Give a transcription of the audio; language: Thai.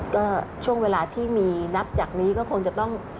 ก็ช่วงเวลาที่มีนับจากนี้ก็คงจะต้อง